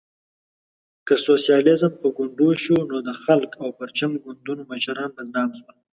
که سوسیالیزم په ګونډو شو، نو د خلق او پرچم ګوندونو مشران بدنام شول.